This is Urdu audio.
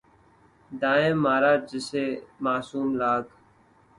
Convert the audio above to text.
دائیں مارا جسا معصوم لاگ